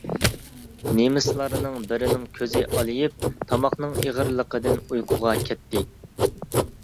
نېمىسلارنىڭ بىرىنىڭ كۆزى ئالىيىپ، تاماقنىڭ ئېغىرلىقىدىن ئۇيقۇغا كەتتى.